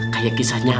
kayak kisah nyawa